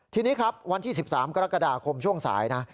ทีนี้ครับวันที่๑๓กรกฎาคมช่วงสายนะ